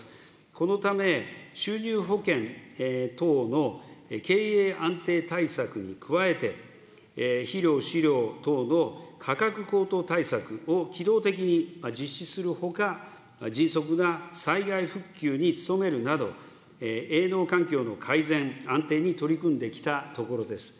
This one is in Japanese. このため、収入保険等の経営安定対策に加えて、肥料・飼料等の価格高騰対策を機動的に実施するほか、迅速な災害復旧に努めるなど、営農環境の改善・安定に取り組んできたところです。